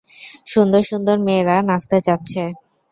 সুন্দর সুন্দর মেয়েরা নাচতে চাচ্ছে।